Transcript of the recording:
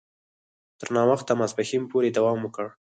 تر ناوخته ماپښین پوري دوام وکړ.